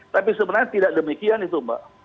tapi sebenarnya tidak demikian itu mbak